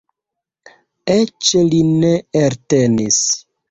Eĉ li ne eltenis.